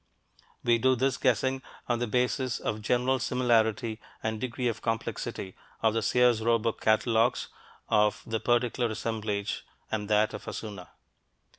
We do this guessing on the basis of the general similarity and degree of complexity of the Sears Roebuck catalogues of the particular assemblage and that of Hassuna.